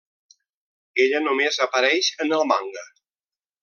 Ella només apareix en el manga.